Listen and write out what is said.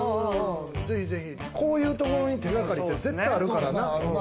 そこういうところに手掛かりって絶対あるからな。